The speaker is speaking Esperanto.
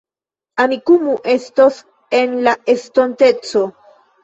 Amikumu estos en la estonteco